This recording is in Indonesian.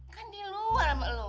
kan di luar mak lo